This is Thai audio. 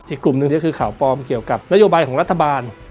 อีกกลุ่มหนึ่งก็คือข่าวปลอมเกี่ยวกับนโยบายของรัฐบาล